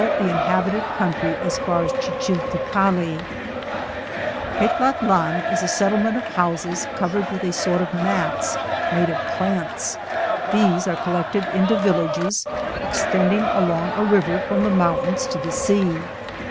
CHAPTER II Petlatlan is a settlement of houses cov ered with a sort of mats made of plants. These are collected into villages, extending along a river from the mountains to the sea.